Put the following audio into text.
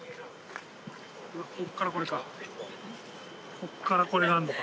ここからこれがあんのか。